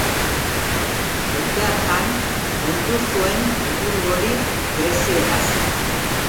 Urte hartan ondu zuen liburu hori grezieraz.